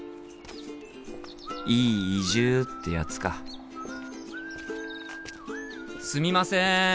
いい移住ってやつかすみません！